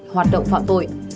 hoạt động phạm tội